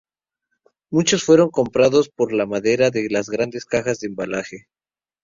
Muchos fueron comprados por la madera de las grandes cajas de embalaje.